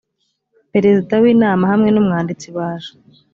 perezida w inama hamwe n umwanditsi baje